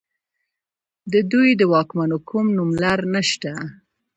د دوی د واکمنو کوم نوملړ نشته